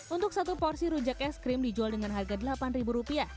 untuk satu porsi rujak es krim dijual dengan harga rp delapan